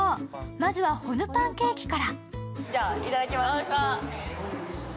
まずはホヌパンケーキから。